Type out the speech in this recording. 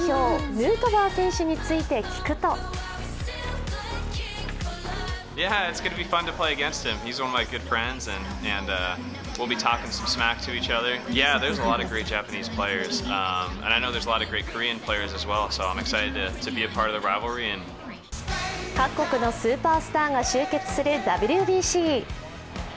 ヌートバー選手について聞くと各国のスーパースターが集結するＷＢＣ。